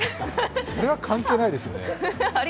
それは関係ないですよね。